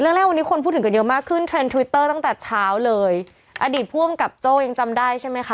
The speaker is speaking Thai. แรกวันนี้คนพูดถึงกันเยอะมากขึ้นเทรนดทวิตเตอร์ตั้งแต่เช้าเลยอดีตผู้อำกับโจ้ยังจำได้ใช่ไหมคะ